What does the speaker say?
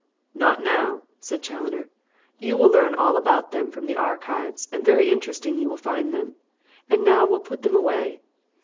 "Not now," said Challoner. "You will learn all about them from the 'Archives,' and very interesting you will find them. And now we'll put them away."